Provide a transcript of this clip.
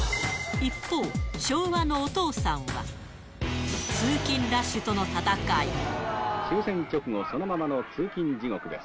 一方、昭和のお父さんは、終戦直後そのままの通勤地獄です。